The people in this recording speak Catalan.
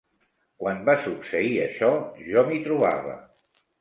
Quan va succeir això, jo m'hi trobava.